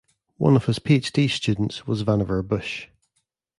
One of his PhD students was Vannevar Bush.